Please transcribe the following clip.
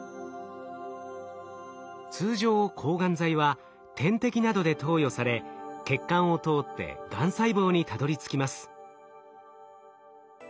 通常抗がん剤は点滴などで投与され血管を通ってがん細胞にたどりつきます。